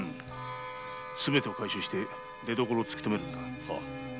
すべてを回収して出所を突きとめるのだ。